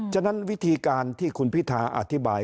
ฉะนั้นวิธีการที่คุณพิธาอธิบาย